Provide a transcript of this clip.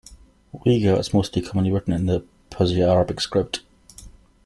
Uyghur is most commonly written in a Perseo-Arabic script.